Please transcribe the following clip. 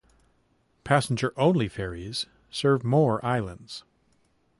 Passenger-only ferries serve more islands.